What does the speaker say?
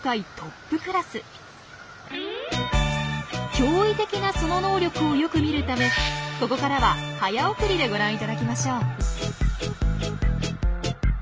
驚異的なその能力をよく見るためここからは早送りでご覧いただきましょう。